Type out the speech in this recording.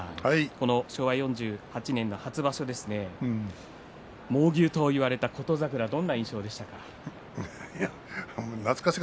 この昭和４８年の初場所猛牛と言われた琴櫻どんな印象でしたか？